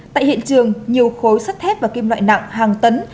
tại hiện trường nhiều khối sắt thép và kim loại nặng hàng tấn